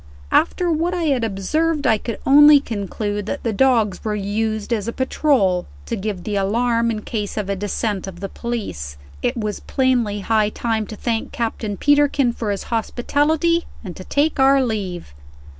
After what I had observed, I could only conclude that the dogs were used as a patrol, to give the alarm in case of a descent of the police. It was plainly high time to thank Captain Peterkin for his hospitality, and to take our leave.